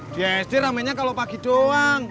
di sd ramainya kalau pagi doang